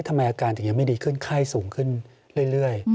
ทำไมอาการถึงยังไม่ดีขึ้นไข้สูงขึ้นเรื่อย